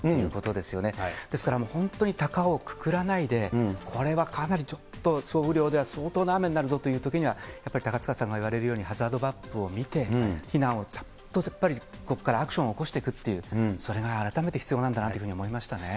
ですから本当に高をくくらないで、これはかなりちょっと、総雨量では相当な雨になるぞというときには、やっぱり高塚さんが言われるようにハザードマップを見て、避難をちゃんとやっぱり、ここからアクションを起こしてくっていう、それが改めて必要なんだなというふうに思いましたね。